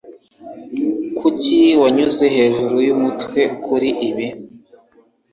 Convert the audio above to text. Kuki wanyuze hejuru yumutwe kuri ibi?